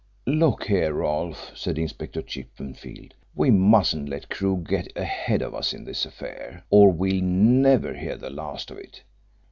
"Look here, Rolfe," said Inspector Chippenfield, "we mustn't let Crewe get ahead of us in this affair, or we'll never hear the last of it.